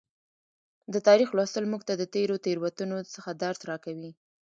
د تاریخ لوستل موږ ته د تیرو تیروتنو څخه درس راکوي.